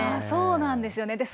そうなんですよね。